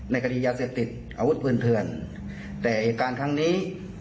ในกรียาเสพติศอาวุธเปือนเทือนได้อิงการทั้งนี้